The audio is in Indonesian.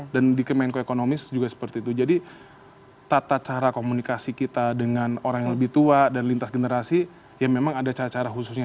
dan di kemenkoekonomis juga seperti itu jadi tata cara komunikasi kita dengan orang yang lebih tua dan lintas generasi ya memang ada cara cara khususnya